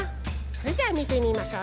それじゃあみてみましょう。